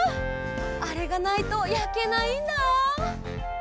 あれがないとやけないんだ！